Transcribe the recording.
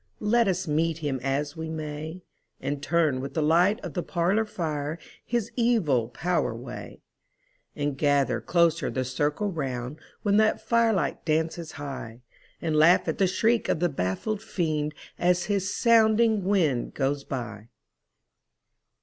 Let us meet him as we may, And turn with the light of the parlor fire his evil power away; And gather closer the circle round, when that fire light dances high, And laugh at the shriek of the baffled Fiend as his sounding wing goes by!